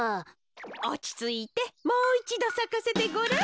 おちついてもういちどさかせてごらん。